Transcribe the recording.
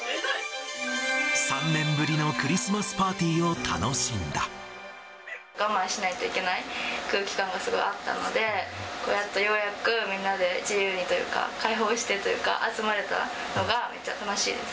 ３年ぶりのクリスマスパーテ我慢しないといけない空気感がすごいあったので、こうやってようやくみんなで自由にというか、解放してというか、集まれたのが、めっちゃ楽しいです。